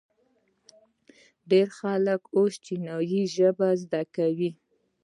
ډیر خلک اوس چینایي ژبه زده کوي.